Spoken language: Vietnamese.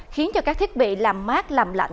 khiến cho các thiết bị làm mát làm lạnh